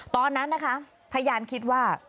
ตอนนั้นนะคะพยานคิดว่า